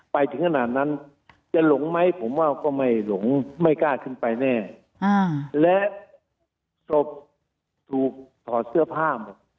ไปถึงขนาดนั้นจะหลงไหมผมว่าก็ไม่หลงไม่กล้าขึ้นไปแน่และศพถูกถอดเสื้อผ้าหมด